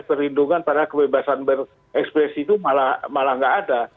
perlindungan pada kebebasan berekspresi itu malah nggak ada